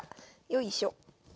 よいしょ。